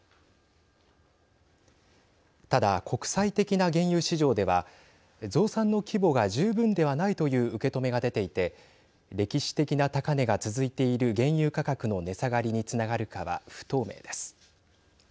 ただ、国際的な原油市場では増産の規模が十分ではないという受け止めが出ていて歴史的な高値が続いている原油価格の値下がりにつながるかは不透明です。